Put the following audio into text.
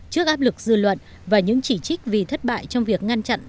trước áp lực dư luận và những chỉ trích vì thất bại trong việc ngăn chặn